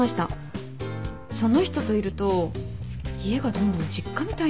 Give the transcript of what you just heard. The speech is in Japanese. その人といると家がどんどん実家みたいになるなって思ってて。